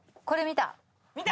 これ見た！